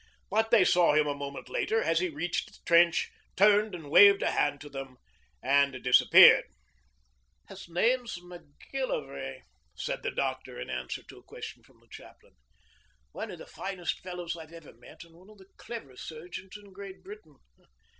But they saw him a moment later as he reached the trench, turned and waved a hand to them, and disappeared. 'His name's Macgillivray,' said the doctor, in answer to a question from the chaplain. 'One of the finest fellows I've ever met, and one of the cleverest surgeons in Great Britain.